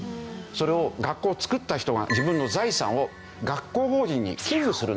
それを学校を作った人が自分の財産を学校法人に寄付するんですよ。